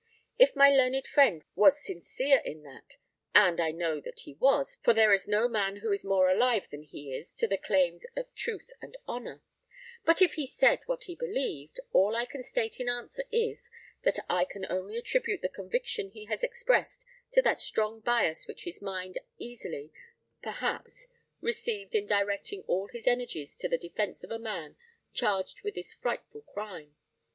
If my learned friend was sincere in that and I know that he was, for there is no man who is more alive than he is to the claims of truth and honour but if he said what he believed, all I can state in answer is, that I can only attribute the conviction he has expressed to that strong bias which his mind easily, perhaps, received in directing all his energies to the defence of a man charged with this frightful crime.